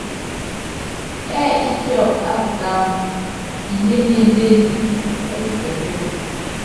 Ɛ́ɛ ípíɔk á putámb, iményémbén ɛ́ kikɛtɛ́.